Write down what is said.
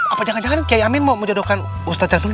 apa jangan jangan kyai amin mau menjodohkan ustadz janurul